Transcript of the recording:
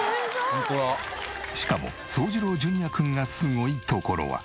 しかも宗次郎Ｊｒくんがすごいところは。